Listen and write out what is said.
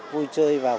vui chơi và vui sống